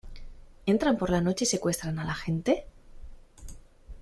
¿ entran por la noche y secuestran a la gente?